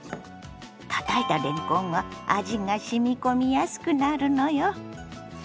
たたいたれんこんは味がしみ込みやすくなるのよ。